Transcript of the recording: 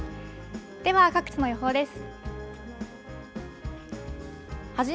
では、各地の予報です。